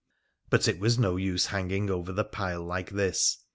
But it was no use hanging over the pile like this.